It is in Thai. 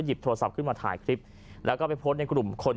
โทรศัพท์ขึ้นมาถ่ายคลิปแล้วก็ไปโพสต์ในกลุ่มคน